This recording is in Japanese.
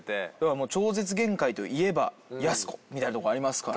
『超絶限界』といえばやす子みたいなとこありますから。